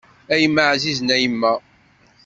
A yemma ɛzizen a yemma.